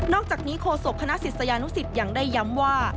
นอกจากนี้โคสสวบคณะศิษยานุศิษย์ยังได้ย้ำว่า